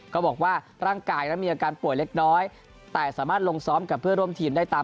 ก็บอกว่าร่างกายนั้นมีอาการป่วยเล็กน้อยแต่สามารถลงซ้อมกับเพื่อนร่วมทีมได้ตาม